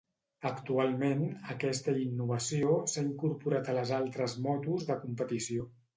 Actualment, aquesta innovació s'ha incorporat a les altres motos de competició.